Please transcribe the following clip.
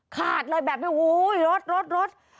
ขาดเลยแบบโอ้โหรถรถรถ